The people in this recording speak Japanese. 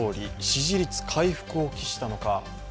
支持率回復を期したのか。